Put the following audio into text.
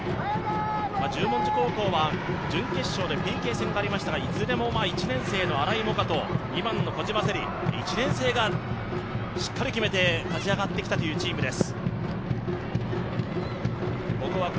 十文字高校は準決勝でＰＫ戦がありましたが、いずれも１年生の新井萌禾と２年の小島世里１年生がしっかり決めて勝ち上がってきたチームです。